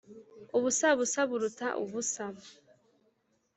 Ubusabusa buruta ubusa